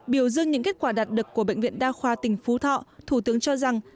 biểu dương những kết quả đạt được của bệnh viện đa khoa tỉnh phú thọ thủ tướng cho rằng